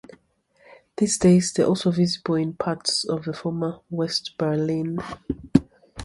These days they are also visible in parts of the former West Berlin.